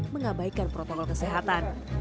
mengabaikan protokol kesehatan